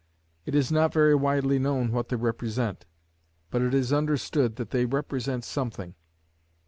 It is not very widely known what they represent, but it is understood that they represent something.